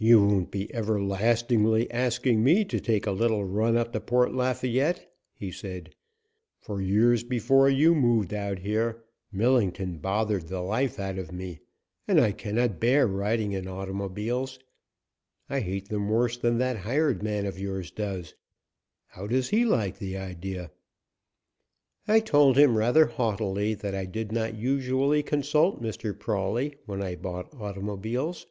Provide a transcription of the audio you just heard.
"You won't be everlastingly asking me to take a little run up to Port Lafayette," he said. "For years before you moved out here Millington bothered the life out of me, and I cannot bear riding in automobiles. I hate them worse than that hired man of yours does. How does he like the idea?" I told him, rather haughtily, that I did not usually consult Mr. Prawley when I bought automobiles.